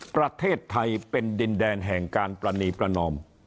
ประเทศไทยเป็นดินแดนแห่งการปรณีประนอม